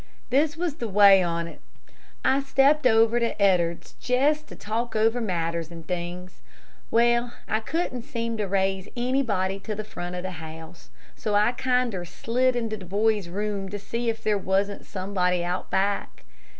"This was the way on 't: I stepped over to Ed'ards's jest to talk over matters and things. Well, I couldn't seem to raise anybody to the front of the house, so I kinder slid into the boy's room to see if there wasn't somebody out back.